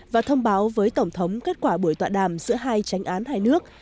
và thông báo với tổng thống kết quả buổi tọa đàm giữa hai tránh án hai nước